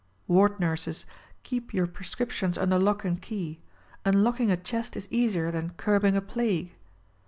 Ward nurses: Keep your prescriptions under lock and key; unlocking a chest is easier than curbing a plague?